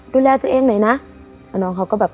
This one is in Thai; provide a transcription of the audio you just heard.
ดูแลตัวเองหน่อยนะ